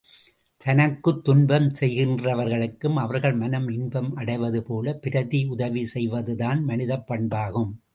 தனக்குத் துன்பம் செய்கின்றவர்களுக்கும், அவர்கள் மனம் இன்பம் அடைவது போல பிரதி உதவி செய்வதுதான் மனிதப் பண்பாகும்.